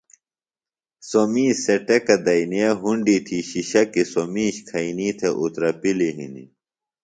سوۡ مِیش سےۡ ٹیۡکہ دئنیے ہُنڈی تھی شِشکیۡ سوۡ میش کھئنی تھےۡ اُترپِلیۡ ہنیۡ